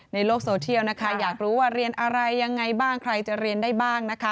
ในโลกโซเทียลอยากรู้ว่าเรียนอะไรอย่างไรแบบใครจะเรียนได้บ้าง